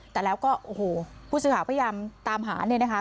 แต่แล้วก็โอ้โหผู้สื่อข่าวพยายามตามหาเนี่ยนะคะ